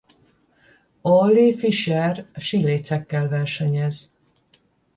Olli Fischer sílécekkel versenyez.